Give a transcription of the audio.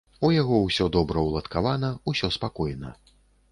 У яго усё добра уладкавана, усё спакойна.